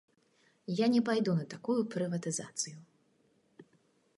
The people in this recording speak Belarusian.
Я не пайду на такую прыватызацыю.